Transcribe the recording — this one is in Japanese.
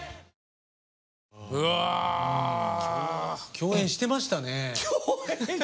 共演してました！